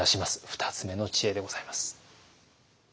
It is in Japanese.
２つ目の知恵でございます。